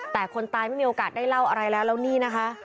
แต่คนตายไม่มีโอกาสได้เล่าอะไรแล้วแล้วนี่นะคะ